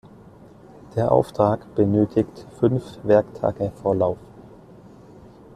Der Auftrag benötigt fünf Werktage Vorlauf.